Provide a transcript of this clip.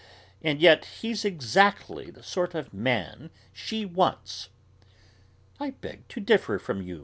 And yet he's exactly the sort of man she wants." "I beg to differ from you," M.